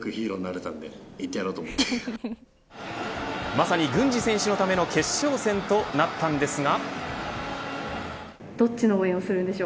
まさに郡司選手のための決勝戦となったんですが。